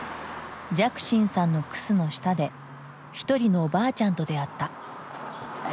寂心さんのクスの下で一人のおばあちゃんと出会った。